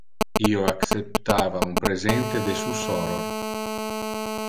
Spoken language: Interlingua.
Io acceptava un presente de su soror.